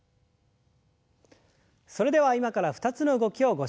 それでは今から２つの動きをご紹介します。